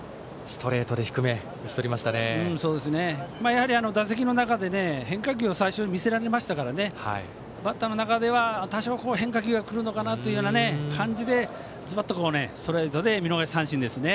やはり打席の中で変化球を最初に見せられましたからバッターの中では多少変化球が来るのかなという感じでズバッとストレートで見逃し三振ですね。